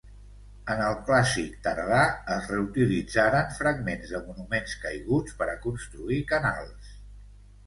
En el Clàssic Tardà es reutilitzaren fragments de monuments caiguts per a construir canals.